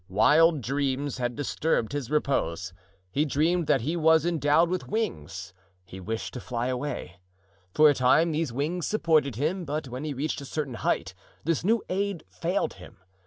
Wild dreams had disturbed his repose. He dreamed that he was endowed with wings—he wished to fly away. For a time these wings supported him, but when he reached a certain height this new aid failed him.